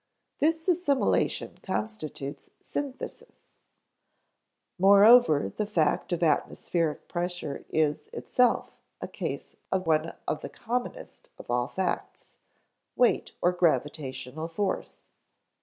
This assimilation constitutes synthesis. Moreover, the fact of atmospheric pressure is itself a case of one of the commonest of all facts weight or gravitational force.